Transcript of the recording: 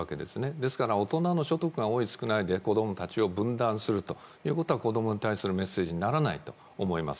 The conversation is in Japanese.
ですから大人の所得が多い、少ないで子供たちを分断することは子供に対するメッセージにならないと思います。